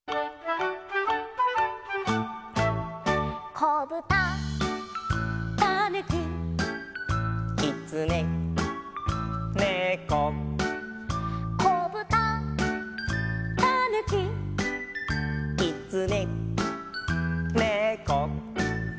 「こぶた」「たぬき」「きつね」「ねこ」「こぶた」「たぬき」「きつね」「ねこ」